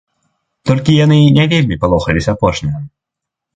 Толькі яны не вельмі палохаліся апошняга.